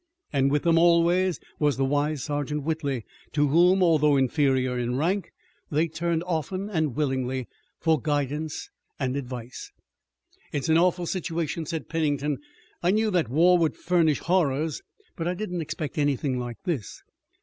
And with them always was the wise Sergeant Whitley, to whom, although inferior in rank, they turned often and willingly for guidance and advice. "It's an awful situation," said Pennington; "I knew that war would furnish horrors, but I didn't expect anything like this."